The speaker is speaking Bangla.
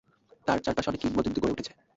তার চারপাশে অনেক কিংবদন্তি গড়ে উঠেছে।